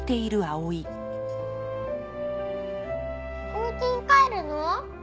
お家に帰るの？